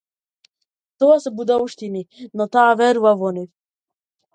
Тоа се будалштини, но таа верува во нив.